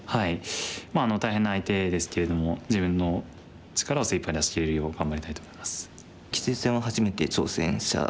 まあ大変な相手ですけれども自分の力を精いっぱい出しきれるよう頑張りたいと思います。